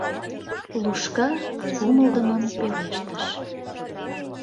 — Лушка кумылдымын пелештыш.